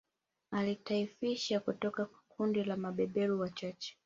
Aliitaifisha kutoka kwa kundi la mabeberu wachache